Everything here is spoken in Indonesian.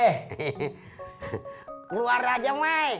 keluar aja mai